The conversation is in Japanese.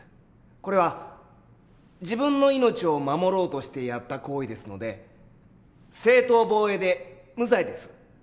これは自分の命を守ろうとしてやった行為ですので正当防衛で無罪です。